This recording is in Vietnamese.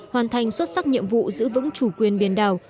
hoàn thành xuất sắc nhiệm vụ giữ vững chủ quyền biển đảo